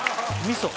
みそ！